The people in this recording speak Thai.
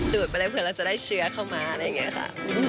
ไปเลยเผื่อเราจะได้เชื้อเข้ามาอะไรอย่างนี้ค่ะ